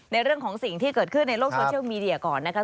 ในเรื่องของสิ่งที่เกิดขึ้นในโลกโชว์เชิงมีเดียก่อนนะคะ